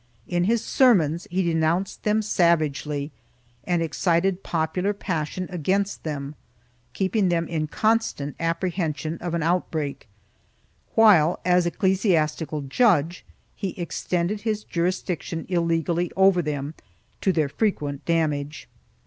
In his sermons he denounced them savagely and excited popular passion against them, keeping them in constant apprehension of an outbreak while, as ecclesiastical judge, he extended his jurisdiction illegally over them, to their frequent damage.